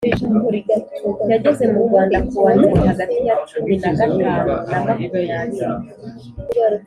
Yageze mu Rwanda kuwa Nzeri hagati ya cumin a gatanu na makumyabiri